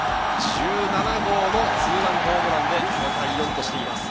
１７号のツーランホームランで５対４としています。